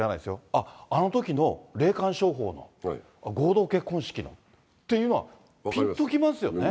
あっ、あのときの霊感商法の、合同結婚式のっていうのはぴんときますよね。